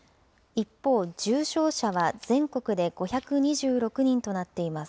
一方、重症者は全国で５２６人となっています。